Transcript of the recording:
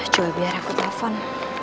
coba biar aku telfon